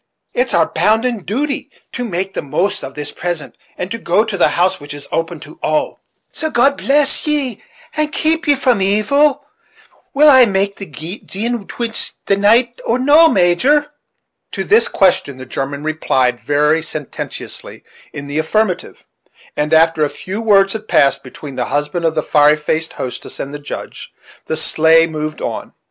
It's our bounden duty to make the most of this present, and to go to the house which is open to all; so God bless ye, and keep ye from evil! Will I make the gin twist the night, or no, Major?" To this question the German replied, very sententiously, in the affirmative; and, after a few words had passed between the husband of the fiery faced hostess and the Judge, the sleigh moved on.